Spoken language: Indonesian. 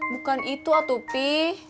bukan itu atuh pi